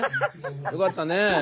よかったね。